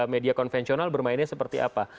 media konvensional bermainnya seperti apa